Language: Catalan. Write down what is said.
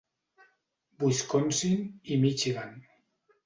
Wisconsin i Michigan.